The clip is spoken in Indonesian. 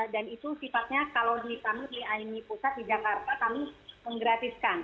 dan itu sifatnya kalau di kami di aimi pusat di jakarta kami menggratiskan